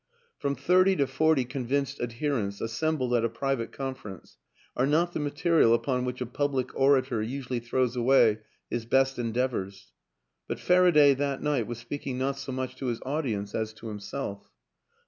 From thirty to forty convinced adherents as sembled at a private conference are not the ma terial upon which a public orator usually throws away his best endeavors; but Faraday that night was speaking not so much to his audience as to himself.